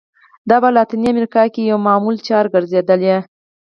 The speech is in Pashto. دا په لاتینه امریکا کې یوه معمول چاره ګرځېدلې.